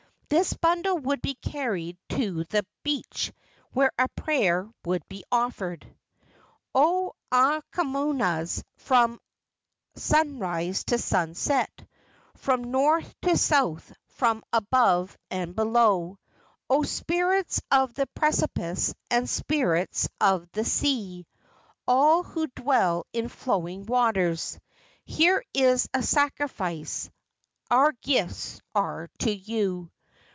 This bundle would be carried to the beach, where a prayer would be offered: "O aumakuas from sunrise to sunset, From North to South, from above and below, O spirits of the precipice and spirits of the sea, All who dwell in flowing waters, Here is a sacrifice—our gifts are to you.